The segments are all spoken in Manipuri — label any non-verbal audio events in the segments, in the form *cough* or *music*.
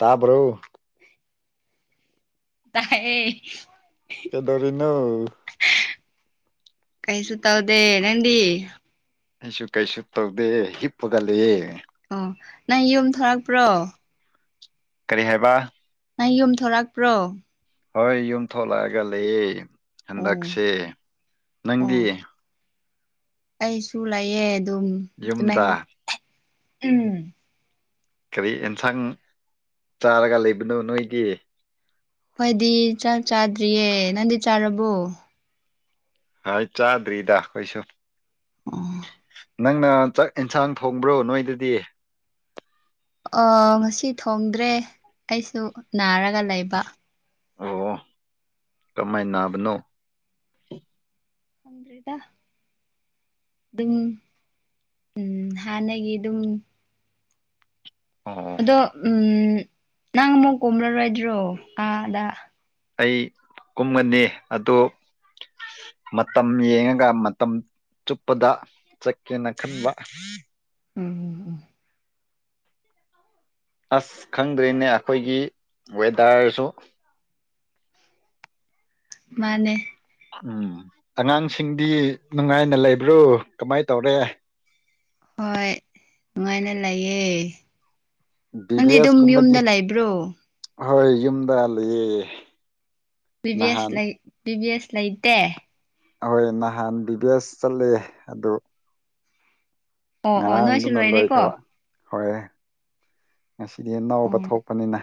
ꯇꯥꯕ꯭ꯔꯣ ꯇꯥꯏꯌꯦ꯫ ꯀꯩꯗꯧꯔꯤꯅꯣ ꯀꯩꯁꯨ ꯇꯧꯗꯦ ꯅꯪꯗꯤ꯫ ꯑꯩꯁꯨꯨ ꯀꯩꯁꯨꯨ ꯇꯧꯗꯦ ꯍꯤꯞꯄꯒ ꯂꯩꯌꯦ꯫ ꯑꯣ ꯅꯪ ꯌꯨꯝ ꯊꯣꯂꯛꯄ꯭ꯔꯣ ꯀꯔꯤ ꯍꯥꯏꯕ ꯅꯪ ꯌꯨꯝ ꯊꯣꯔꯛꯄ꯭ꯔꯣ ꯍꯣꯏ ꯌꯨꯝ ꯊꯣꯛꯂꯛꯑꯒ ꯂꯩꯌꯦ ꯑꯣ ꯍꯟꯗꯛꯁꯦ ꯅꯪꯗꯤ ꯑꯣ ꯑꯩꯁꯨ ꯂꯥꯛꯑꯦ ꯑꯗꯨꯝ ꯌꯨꯝꯗ ꯎꯝ ꯀꯔꯤ ꯑꯦꯟꯁꯥꯡ ꯆꯥꯔꯒ ꯂꯩꯕꯅꯣ ꯅꯣꯏꯒꯤ ꯍꯣꯏꯗꯤ ꯆꯥꯛ ꯆꯥꯗ꯭ꯔꯤꯌꯦ ꯅꯪꯗꯤ ꯆꯥꯔꯕꯣ ꯍ ꯆꯥꯗ꯭ꯔꯤꯗ ꯑꯈꯣꯢꯁꯨ ꯑ ꯅꯪꯅ ꯆꯥꯛ ꯌꯦꯟꯁꯥꯡ ꯊꯣꯡꯕ꯭ꯔꯣ ꯅꯣꯏꯗꯗꯤ ꯑ ꯉꯁꯤ ꯊꯣꯡꯗ꯭ꯔꯦ ꯑꯩꯁꯨ ꯅꯥꯔꯒ ꯒ ꯂꯩꯕ ꯑꯣ ꯀꯃꯥꯏ ꯅꯅꯥꯕꯅꯣ ꯭ꯔꯦꯗ ꯑꯗꯨꯝ ꯎꯝ ꯍꯥꯟꯅꯒꯤ ꯑꯗꯨꯝ ꯑꯣ ꯑꯗꯣ ꯎꯝ ꯅꯪꯃꯨꯛ ꯀꯨꯝꯂꯗ꯭ꯔꯣ ꯑꯥꯗ ꯑꯩ ꯀꯨꯝꯒꯅꯤ ꯑꯗꯨ ꯃꯇꯝ ꯌꯦꯡꯉꯒ ꯃꯇꯝ ꯆꯨꯞꯄꯗ ꯆꯠꯀꯦꯅ ꯈꯟꯕ ꯎꯝ ꯎꯝ ꯎꯝ ꯑꯁ ꯈꯪꯗ꯭ꯔꯤꯅꯦ ꯑꯩꯈꯣꯏꯒꯤ ꯋꯦꯗꯔꯁꯨ ꯃꯥꯅꯦ ꯎꯝ ꯑꯉꯥꯡꯁꯤꯡꯗꯤ ꯅꯨꯡꯉꯥꯏꯅ ꯂꯩꯕ꯭ꯔꯣ ꯀꯃꯥꯏ ꯇꯧꯔꯦ ꯍꯣꯏ ꯅꯨꯡꯉꯥꯏꯅ ꯂꯩꯌꯦ ꯕꯤ ꯅꯪꯗꯤ ꯕꯤ ꯑꯦꯁ ꯑꯗꯨꯝ ꯀꯨꯝꯕꯗꯤ ꯌꯨꯝꯗ ꯂꯩꯕ꯭ꯔꯣ ꯍꯣꯏ ꯌꯨꯝꯗ ꯂꯩꯑ ꯂꯤꯚꯁ ꯂꯩ ꯕꯤ ꯕꯤ ꯑꯦꯁ ꯂꯩꯇꯦ ꯍꯣꯏ ꯅꯍꯥꯟ ꯕꯤ ꯕꯤ ꯑꯦꯁ ꯆꯠꯂꯦ ꯑꯗꯨ ꯑꯣ ꯑꯣ ꯅꯣꯏꯁꯨ ꯉꯔꯥꯡꯗꯨꯅ ꯂꯣꯏꯔꯦꯀꯣ ꯂꯣꯏꯈ꯭ꯔꯕ ꯍꯣꯏ ꯑꯣ ꯉꯁꯤꯗꯤꯅꯧꯕ ꯊꯣꯛꯄꯅꯤꯅ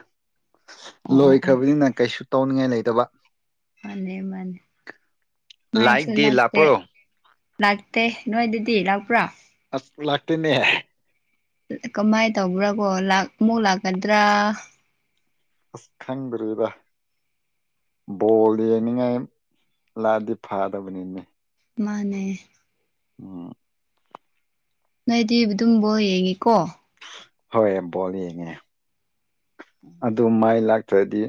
ꯑꯣ ꯑꯣ ꯂꯣꯏꯈ꯭ꯔꯕꯅꯤꯅ ꯀꯩꯁꯨ ꯇꯧꯅꯤꯡꯉꯥꯏ ꯂꯩꯇꯦ ꯇꯕ ꯃꯥꯅꯤ ꯃꯥꯅꯤ ꯂꯥꯏꯠ ꯃꯥꯏꯁꯨ ꯗꯦ ꯅꯠꯇ ꯂꯥꯛꯄ꯭ꯔꯣ ꯂꯥꯛꯇꯦ ꯅꯣꯏ ꯗꯗꯤ ꯂꯥꯛꯄ꯭ꯔꯥ ꯂꯥꯛꯇꯅꯦ ꯀꯃꯥꯏꯅ ꯇꯧꯕ꯭ꯔꯥ ꯀꯣ ꯑꯃꯨꯛ ꯂꯥꯛꯀꯗ꯭ꯔꯥ ꯑꯁ ꯈꯪꯗ꯭ꯔꯤꯗ ꯕꯣꯜ ꯌꯦꯡꯅꯤꯡꯉꯥꯏ ꯂꯥꯑꯗꯤ ꯐꯥꯗꯕꯅꯤꯅꯦ ꯃꯥꯅꯦ ꯎꯝ ꯅꯣꯏꯗꯤ ꯑꯗꯨꯝ ꯕꯣꯜ ꯌꯦꯡꯉꯤꯀꯣ ꯍꯣꯏ ꯕꯣꯜ ꯌꯦꯡꯉꯦ ꯑꯗꯨ ꯃꯥꯏ ꯂꯥꯛ ꯇꯗꯤ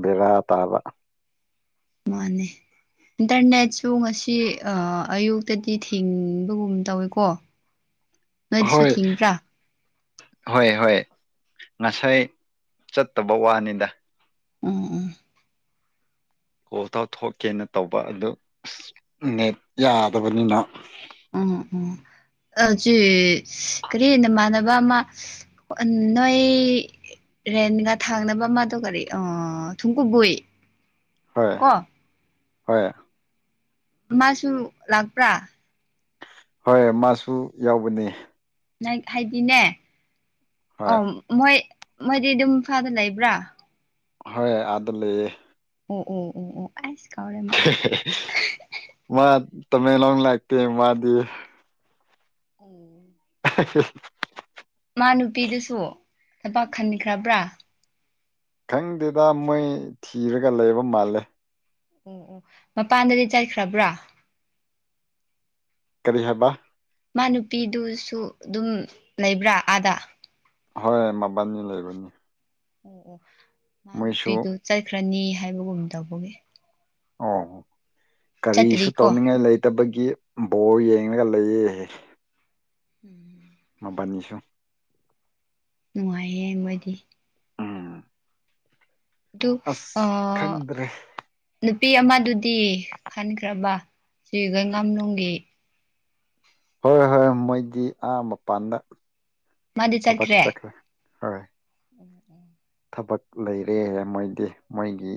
ꯕꯦꯔꯥ ꯇꯥꯕ ꯃꯥꯅꯦ ꯏꯟꯇꯔꯅꯦꯠꯁꯨ ꯉꯁꯤ ꯑꯌꯨꯛꯇꯗꯤ ꯊꯤꯡꯕꯒꯨꯝ ꯇꯧꯋꯦꯀꯣ ꯅꯣꯏꯗꯁꯨ ꯍꯣꯏ ꯊꯤꯡꯕ꯭ꯔꯥ ꯍꯣꯏ ꯍꯣꯏ ꯉꯁꯥꯏ ꯆꯠꯇꯕ ꯋꯥꯅꯤꯗ ꯎꯝ ꯎꯝ ꯀꯣꯜꯇꯥꯎ ꯊꯣꯛꯀꯦꯅ ꯇꯧꯕ ꯑꯗꯨ ꯑ ꯅꯦꯠ ꯌꯥꯗꯕꯅꯤꯅ ꯑꯆꯦ ꯀꯔꯤ ꯅꯃꯥꯅ ꯑꯃ ꯅꯣꯏ ꯔꯦꯟꯒ ꯊꯥꯡꯅꯕ ꯑꯃꯗꯣ ꯀꯔꯤ ꯑ ꯊꯨꯡꯀꯨꯕꯣꯏ ꯍꯣꯏ ꯍꯣꯏ ꯃꯥꯁꯨ ꯂꯥꯛꯄ꯭ꯔꯥ ꯍꯣꯏ ꯃꯥꯁꯨ ꯌꯥꯎꯕꯅꯦ ꯍꯥꯏꯗꯤꯅꯦ ꯑ ꯍꯣꯏ ꯃꯣꯏ ꯃꯣꯏꯗꯤ ꯑꯗꯨꯝ ꯐꯥꯗ ꯂꯩꯕ꯭ꯔꯥ ꯍꯣꯏ ꯑꯗꯨ ꯂꯩ ꯎꯝ ꯎꯝ ꯎꯝ ꯎꯝꯥꯏꯁ ꯃꯥ ꯇꯃꯦꯡꯂꯣꯡ ꯂꯥꯛꯇꯦ ꯃꯥꯗꯤ ꯑꯣ ꯃꯥ ꯅꯨꯄꯤꯗꯨꯁꯨ ꯅꯨꯄꯥ ꯈꯟꯈ꯭ꯔꯕ꯭ꯔꯥ ꯈꯪꯗꯦꯗ ꯃꯣꯏ ꯊꯤꯔꯒ ꯂꯩꯕ ꯃꯥꯜꯂꯦ ꯑꯣ ꯑꯣ ꯃꯄꯥꯟꯗꯗꯤ ꯆꯠꯈ꯭ꯔꯕ꯭ꯔꯥ ꯀꯔꯤ ꯍꯥꯏꯕ ꯃꯥ ꯅꯨꯄꯤꯗꯨꯁꯨ ꯑꯗꯨꯝ ꯂꯩꯕ꯭ꯔꯥ ꯑꯥꯗ ꯍꯣꯏ ꯃꯕꯥꯅꯤ ꯂꯩꯕꯅꯤ ꯑꯣ ꯑꯣ ꯃꯥ ꯃꯣꯏꯁꯨ ꯅꯨꯄꯤꯗꯨ ꯆꯠꯈ꯭ꯔꯅꯤ ꯍꯥꯏꯕꯒꯨꯝ ꯇꯧꯕꯒꯦ ꯑꯧ ꯀꯔꯤꯁꯨ ꯇꯧꯅꯤꯡꯉꯥꯏ ꯂꯩꯇꯕꯒꯤ ꯕꯣꯔ ꯌꯦꯡ ꯉꯒ ꯂꯩꯌꯦ *inaudible* ꯕꯥꯅꯤꯁꯨ ꯅꯨꯡꯉꯥꯏꯍꯦ ꯃꯣꯏꯗꯤ ꯎꯝ ꯑꯗꯨ ꯑꯁ ꯑ ꯈꯪꯗ꯭ꯔꯦ ꯅꯨꯄꯤ ꯑꯃꯗꯨꯗꯤ ꯈꯟꯈ꯭ꯔꯕ ꯁꯤꯈꯣꯏ ꯉꯥꯝꯂꯅꯨꯡꯒꯤ ꯍꯣꯏ ꯍꯣꯏ ꯃꯣꯏꯗꯤ ꯑꯥ ꯃꯄꯥꯟꯗ ꯃꯥꯗꯤ ꯆꯠꯈ꯭ꯔꯦ ꯍꯣꯏ ꯊꯕꯛ ꯂꯩꯔꯦ ꯃꯣꯏꯗꯤ ꯃꯣꯏꯒꯤ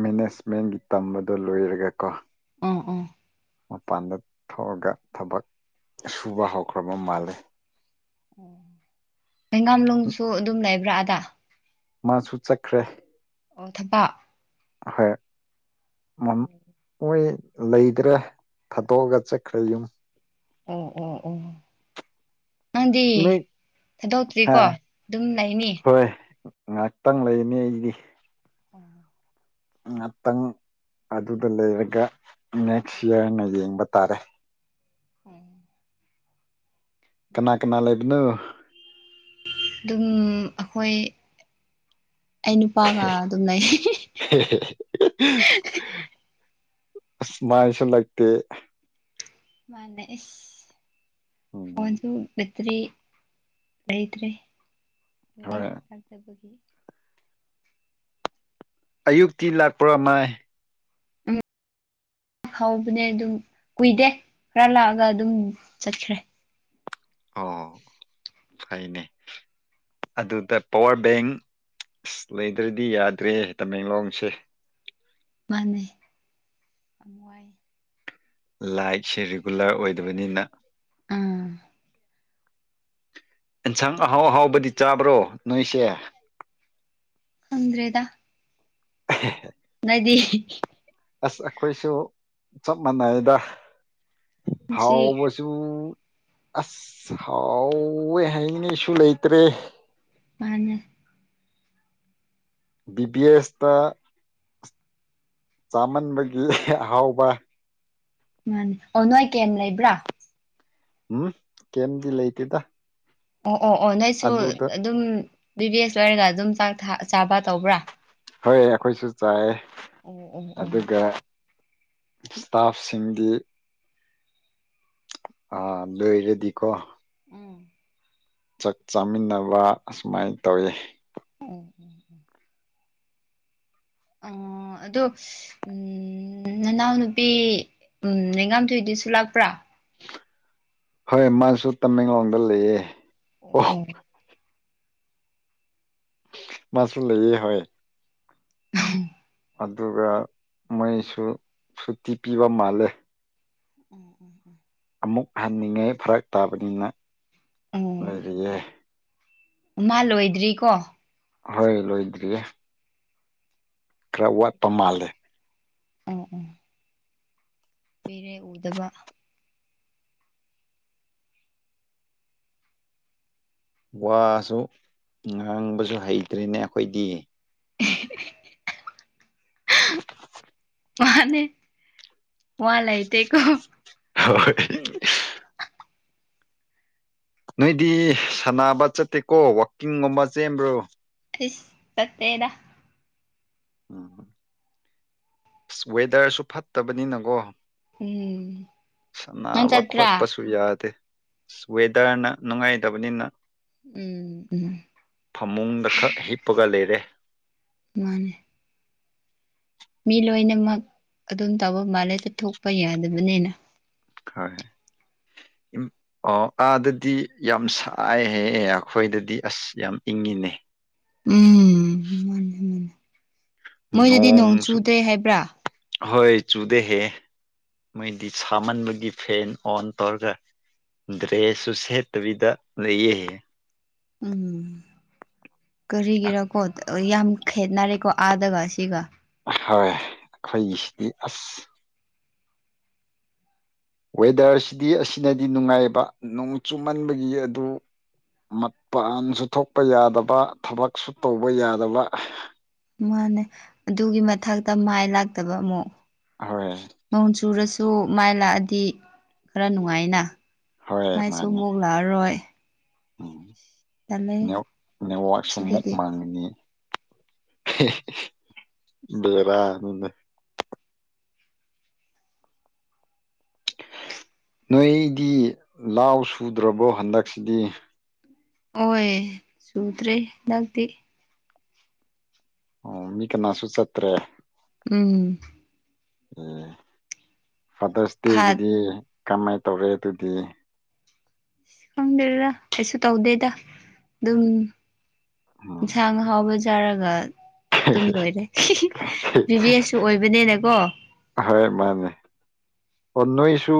ꯃꯦꯅꯦꯖꯃꯦꯟꯒꯤ ꯇꯝꯕꯗꯣ ꯂꯣꯏꯔꯒꯀꯣ ꯑ ꯑ ꯃꯄꯥꯟꯗ ꯊꯣꯛꯑꯒ ꯊꯕꯛ ꯁꯨꯕ ꯍꯧꯈ꯭ꯔꯕ ꯃꯥꯂꯦ ꯑꯣ ꯍꯩꯒꯥꯝꯂꯅꯨꯡꯁꯨ ꯑꯗꯨꯝ ꯂꯩꯕ꯭ꯔꯥ ꯀꯨꯠꯇꯇꯥ ꯃꯥꯁꯨ ꯆꯠꯈ꯭ꯔꯦ ꯑꯣ ꯊꯕ ꯍ ꯃ ꯑꯣꯏꯣꯏ ꯂꯩꯗ꯭ꯔꯦ ꯊꯥꯗꯣꯛꯑꯒ ꯆꯠꯈ꯭ꯔꯦ ꯌꯨꯝ ꯑꯣ ꯑꯣ ꯑꯣ ꯅꯪꯗꯤ ꯅꯣꯏ ꯍꯥ ꯊꯥꯗꯣꯛꯇ꯭ꯔꯤꯀꯣ ꯑꯗꯨꯝ ꯂꯩꯅꯤ ꯍꯣꯏ ꯉꯥꯏꯍꯥꯛꯇꯪ ꯂꯩꯅꯤ ꯑꯩꯗꯤ ꯑꯣ ꯉꯥꯛꯇꯪ ꯑꯗꯨꯗ ꯂꯩꯔꯒ ꯅꯦꯛꯁ ꯏꯌꯥꯔꯅ ꯌꯦꯡꯕ ꯇꯥꯔꯦ ꯀꯅꯥ ꯀꯅꯥ ꯂꯩ ꯑꯗꯨꯅꯣ ꯑꯗꯨꯝ ꯑꯩꯈꯣꯏ ꯑꯩ ꯅꯨꯄꯥꯒ ꯑꯗꯨꯝ ꯂꯩ ꯑꯁꯃꯥꯏꯁ ꯂꯒꯇ ꯃꯥꯗꯦ ꯐ ꯎꯝ ꯑꯗꯨ ꯔꯤ ꯂꯩꯇ꯭ꯔꯤ ꯍꯣꯏ ꯂꯩꯛꯗꯕꯒꯤ ꯑꯌꯨꯛꯇꯤ ꯂꯥꯛꯄ꯭ꯔꯣ ꯃꯥꯏ ꯍꯥꯎꯕꯅꯦ ꯑꯗꯨꯝ ꯀꯨꯏꯗꯦ ꯈꯔ ꯂꯥꯛꯑꯒ ꯑꯗꯨꯝ ꯆꯠꯈ꯭ꯔꯦ ꯑꯣ ꯐꯩꯅꯦ ꯑꯗꯨꯗ ꯄꯋꯥꯔ ꯕꯦꯡ ꯂꯩꯗ꯭ꯔꯗꯤ ꯌꯥꯗ꯭ꯔꯦ ꯇꯃꯦꯡꯂꯣꯡꯁꯦ ꯃꯥꯥꯟꯅꯩ ꯌꯥꯝ ꯋꯥꯏ ꯂꯥꯏꯠꯁꯦ ꯔꯤꯒꯨꯂꯔ ꯑꯣꯏꯗꯕꯅꯤꯅ ꯑꯥ ꯑꯦꯟꯁꯥꯡ ꯑꯍꯥꯎ ꯑꯍꯥꯎꯕꯗꯤ ꯆꯥꯕ꯭ꯔꯣ ꯅꯣꯏꯁꯦ ꯑꯟ꯭ꯔꯦꯗ *inaudible* ꯗꯤ ꯑꯁ ꯑꯩꯈꯣꯏꯁꯨ ꯆꯞ ꯃꯥꯟꯅꯩꯗ ꯉꯁꯤ ꯍꯥꯎ ꯄꯁꯨ ꯑꯁ ꯍꯥꯎꯋꯦ ꯍꯥꯏꯅꯦꯁꯨ ꯂꯩꯇ꯭ꯔꯦ ꯃꯥꯅꯦ ꯕꯤ ꯕꯤ ꯑꯦꯁꯇ ꯆꯥꯃꯟꯕꯒꯤ ꯑꯍꯥꯎꯕ ꯃꯥꯅꯦ ꯑꯣ ꯅꯣꯏ ꯀꯩ ꯂꯩꯕ꯭ꯔꯥ ꯎꯝ ꯀꯝꯗꯤ ꯂꯦꯇꯗ ꯑꯣ *unintelligible* ꯑꯣ ꯑꯣ ꯅꯣꯏꯁꯨ ꯑꯗꯨꯝ ꯕꯤꯕꯤ ꯑꯦꯁ ꯑꯣꯏꯔꯒ ꯑꯗꯨꯝꯥꯛ ꯆꯥꯕ ꯇꯧꯕ꯭ꯔꯥ ꯍꯣꯏ ꯑꯩꯈꯣꯏꯁꯨ ꯆꯥꯏ ꯑꯣ ꯑꯣ ꯑꯣ ꯑꯗꯨꯒ ꯏꯁꯇꯥꯐꯁꯤꯡꯒꯤ ꯑꯥ ꯑꯣꯏꯔꯦꯗꯤꯀꯣ ꯎꯝ ꯆꯥꯛ ꯆꯥꯃꯤꯟꯅꯕ ꯑꯁꯨꯃꯥꯏ ꯇꯧꯋꯤ ꯑꯣ ꯑꯗꯣ ꯎ ꯅꯅꯥꯎꯅ ꯅꯨꯄꯤ ꯂꯩꯉꯥꯝꯊꯣꯏꯗꯨꯁꯨ ꯂꯥꯛꯄ꯭ꯔꯥ ꯍꯣꯏ ꯃꯥꯁꯨ ꯇꯃꯦꯡꯂꯣꯡꯗ ꯂꯩꯌꯦ ꯑꯣ ꯑꯣ ꯃꯥꯁ ꯐ ꯂꯩꯦ ꯍ ꯎ ꯑꯗꯨꯒ ꯃꯣꯏꯁꯨ ꯁꯨꯇꯤ ꯄꯤꯕ ꯃꯥꯜꯂꯦ ꯎꯝ ꯎꯝ ꯎꯝ ꯑꯃꯨꯛ ꯍꯟꯅꯤꯡꯉꯦ ꯐꯔꯛ ꯇꯥꯕꯅꯤꯅ ꯑꯣ ꯂꯩꯔꯤꯌꯦ ꯃꯥ ꯂꯣꯏꯗ꯭ꯔꯤꯀꯣ ꯍꯣꯏ ꯂꯣꯏꯗ꯭ꯔꯤꯌꯦ ꯈꯔ ꯋꯥꯠꯄ ꯃꯥꯜꯂꯦ ꯄꯔꯦ ꯎꯗꯕ ꯋꯥꯁꯨ ꯉꯥꯡꯕꯁꯨ ꯍꯩꯇ꯭ꯔꯔꯤꯅꯦ ꯑꯩꯈꯣꯏꯗꯤ *inaudible* ꯋꯥꯅꯦ ꯋꯥꯍ ꯂꯩ ꯇꯀꯣ ꯍ ꯅꯣꯏꯗꯤ ꯁꯥꯟꯅꯕ ꯆꯠꯇꯦꯀꯣ ꯋꯥꯛꯀꯤꯡꯒꯨꯝꯕ ꯆꯦꯟꯕ꯭ꯔꯣ ꯐꯠꯇꯦꯗ ꯑ ꯋꯦꯗꯔꯁꯨ ꯐꯠꯇꯕꯅꯤꯅꯀꯣ ꯎꯝ ꯁꯅꯥ ꯅꯪ ꯋꯥꯈꯣ ꯆꯠꯄ꯭ꯔꯥ ꯄꯁꯨ ꯌꯥꯗꯦ ꯑꯁ ꯋꯦꯗꯔꯅ ꯅꯨꯡꯉꯥꯏꯇꯕꯅꯤꯅ ꯎꯝ ꯎꯝ ꯐꯃꯨꯡꯗ ꯈꯛ ꯍꯤꯞꯄꯒ ꯂꯩꯔꯦ ꯃꯥꯅꯦ ꯃꯤ ꯂꯣꯏꯅꯃꯛ ꯑꯗꯨꯝ ꯇꯧꯕ ꯃꯥꯜꯂꯦ ꯆꯠ ꯊꯣꯛꯣꯛꯄ ꯌꯥꯗꯕꯅꯤꯅ ꯍꯣꯏꯣꯏ ꯑꯣ ꯑꯥꯗꯗꯤ ꯌꯥꯝ ꯁꯥꯏꯍꯦꯍꯦ ꯑꯩꯈꯣꯏꯗꯗꯤ ꯑꯁ ꯌꯥꯝ ꯏꯪꯉꯤꯅꯦ ꯎꯝ ꯃꯣꯏꯅꯗꯤ ꯅꯣꯡ ꯅꯣꯡꯁꯨ ꯆꯨꯗ꯭ꯔꯦ ꯍꯥꯏꯕ꯭ꯔꯥ ꯍꯣꯏ ꯆꯨꯗꯩꯍꯦ ꯃꯣꯏꯗꯤ ꯁꯥꯃꯟꯕꯒꯤ ꯐꯦꯟ ꯑꯣꯟ ꯇꯧꯔꯒ ꯗ꯭ꯔꯦꯁꯁꯨ ꯁꯦꯠꯇꯕꯤꯗ ꯂꯩꯌꯦꯦꯍꯦ ꯀꯔꯤꯒꯤꯦꯔꯀꯣꯗ ꯌꯥꯝ ꯈꯦꯠꯅꯔꯦꯀꯣ ꯑꯥꯗꯒ ꯁꯤꯒ ꯍꯣꯏ ꯑꯩꯈꯣꯏꯒꯤꯁꯤꯗꯤ ꯑꯁ ꯋꯦꯗꯔꯁꯤꯗꯤ ꯑꯁꯤꯅꯗꯤ ꯅꯨꯡꯉꯥꯏꯕ ꯅꯣꯡ ꯆꯨꯝꯃꯟꯕꯒꯤ ꯑꯗꯨ ꯃꯄꯥꯟꯁꯨ ꯊꯣꯛꯄ ꯌꯥꯗꯕ ꯊꯕꯛꯁꯨ ꯇꯧꯕ ꯌꯥꯗꯕ ꯃꯥꯅꯦ ꯑꯗꯨꯒꯤ ꯃꯊꯛꯇ ꯃꯥꯏ ꯂꯥꯛꯇꯕ ꯑꯃꯨꯛ ꯍꯣꯏ ꯃꯎꯟ ꯁꯨꯔꯁ ꯁꯨ ꯃꯥꯏ ꯂꯥꯛꯑꯗꯤ ꯈꯔ ꯅꯨꯡꯉꯥꯏꯅ ꯍꯣꯏ ꯃꯥꯏꯁꯨ ꯃꯥꯅꯤ ꯑꯃꯨꯛ ꯂꯥꯛꯑꯔꯣꯏ ꯎꯝ ꯇꯜꯂꯦ ꯅꯦꯠꯋꯥꯛꯁꯨ ꯑꯃꯨꯛ ꯁꯤꯗꯗꯤ ꯃꯥꯡꯉꯤꯅꯤ ꯔ ꯅꯅ ꯅꯣꯏꯗꯤ ꯂꯥꯎ ꯁꯨꯗ꯭ꯔꯕꯣ ꯍꯟꯗꯛꯁꯤꯗꯤ ꯍꯣꯏ ꯁꯨꯗ꯭ꯔꯦ ꯗꯤ ꯑꯣ ꯃꯤ ꯀꯅꯥꯁꯨ ꯆꯠꯇ꯭ꯔꯦ ꯎꯝ ꯑꯣ ꯐꯥꯗꯔꯁ ꯐꯠ ꯗꯦꯒꯤꯗꯤ ꯀꯃꯥꯏꯅ ꯇꯧꯔꯦ ꯑꯗꯨꯗꯤ ꯈꯪꯗꯦꯗ ꯀꯩꯁꯨ ꯇꯧꯗꯦꯗ ꯑꯗꯨꯝ ꯎꯝ ꯪ ꯍꯕ ꯆꯥꯔꯒ ꯑꯗꯨꯝ ꯂꯣꯏꯔꯦ ꯕꯤꯚꯦꯁꯨ ꯑꯣꯏꯕꯅꯦꯅꯀꯣ ꯍꯣꯏ ꯃꯥꯅꯦ ꯑꯣ ꯅꯣꯏꯁꯨ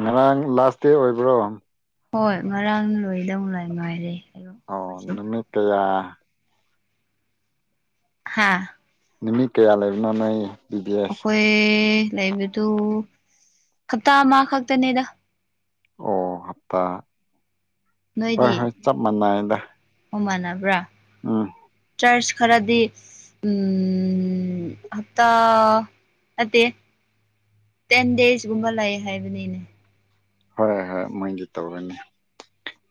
ꯉꯔꯥꯡ ꯂꯥꯁ ꯗꯦ ꯑꯣꯏꯕ꯭ꯔꯣ ꯍꯣꯏ ꯉꯔꯥꯡ ꯂꯣꯏꯗꯧ ꯂꯥꯏ ꯃꯥꯏꯔꯦ ꯑꯣ ꯅꯨꯃꯤꯠꯇꯌꯥ ꯍꯥꯥ ꯅꯨꯃꯤꯠ ꯀꯌꯥ ꯂꯩꯕꯅꯅꯣꯏ ꯑꯩꯈꯣꯏ ꯂꯩꯕꯗꯨ ꯍꯞꯇꯥ ꯑꯃ ꯈꯛꯇꯅꯦꯗ ꯑꯣ ꯍꯥꯞꯇꯥ ꯍꯣꯏ ꯍꯣꯏ ꯆꯞ ꯃꯥꯟꯅꯩꯗ ꯍꯃꯥꯟꯅꯕ꯭ꯔꯥ ꯑꯥ ꯆꯔ ꯈꯔꯗꯤ ꯎꯝ ꯍꯞꯇꯥ ꯅꯠꯇꯦ ꯇꯦꯟ ꯗꯦꯖꯀꯨꯝꯕ ꯂꯩ ꯍꯥꯏꯕꯅꯤꯅꯦ ꯍꯣꯏꯣꯏ ꯍꯣꯏ ꯃꯣꯏꯗꯤ ꯇꯧꯔꯅꯤ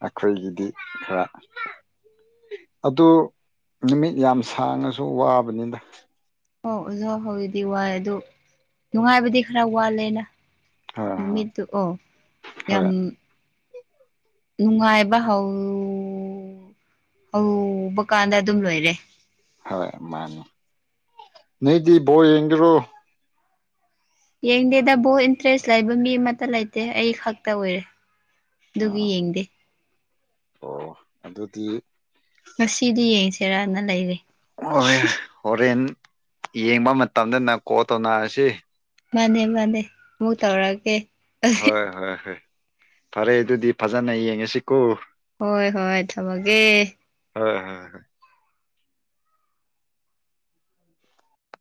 ꯑꯩꯈꯣꯏꯒꯤꯗꯤ ꯈꯔ ꯑꯗꯨ ꯅꯨꯃꯤꯠ ꯌꯥꯝ ꯁꯥꯡꯉꯁꯨ ꯋꯥꯕꯅꯤꯗ ꯑꯣ ꯑꯣꯖꯥ ꯍꯧꯖꯤꯗꯤ ꯋꯥꯏꯦ ꯑꯗꯨ ꯅꯨꯡꯉꯥꯏꯕꯗꯤ ꯈꯔ ꯋꯥꯠꯂꯦꯅ ꯍꯣꯏ ꯅꯨꯃꯤ ꯍꯣꯏ ꯑꯣ ꯌꯥꯝ ꯍꯣꯏ ꯅꯨꯡꯉꯥꯏꯕ ꯍꯧ ꯍꯧꯕ ꯀꯥꯟꯗ ꯑꯗꯨꯝ ꯂꯣꯏꯔꯦ ꯍ ꯃꯥꯅꯤ ꯅꯗꯤ ꯣ ꯏꯡꯒꯔꯣ ꯌꯦꯡꯗꯦꯗ ꯕꯣꯠ ꯏꯟꯇꯔꯦꯁ ꯂꯩꯕ ꯃꯤ ꯑꯃꯠꯇ ꯂꯩꯇꯦ ꯑꯩ ꯈꯛꯇ ꯑꯣꯏꯔꯦ ꯑꯗꯨꯒꯤ ꯌꯦꯡꯗꯦ ꯑꯣ ꯑꯗꯨꯗꯤ ꯉꯁꯤꯗꯤ ꯌꯦꯡꯁꯤꯔꯅ ꯂꯩꯔꯦ ꯍꯣꯔꯦꯟ ꯌꯦꯡꯕ ꯃꯇꯝꯗ ꯅꯪꯀꯣ ꯇꯧꯅꯔꯁꯤ ꯃꯥꯅꯦ ꯃꯥꯅꯦ ꯑꯃꯨꯛ ꯇꯧꯔꯛꯑꯒꯦ ꯍꯣꯏ ꯍꯣꯏ ꯍꯣꯏ ꯐꯔꯦ ꯑꯗꯨꯗꯤ ꯐꯖꯅ ꯌꯦꯡꯉꯁꯤꯀꯣ ꯍꯣꯏ ꯍꯣꯏ ꯊꯝꯃꯒꯦ ꯍꯣꯏ ꯍꯣꯏ